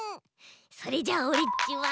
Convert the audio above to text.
それじゃあオレっちは。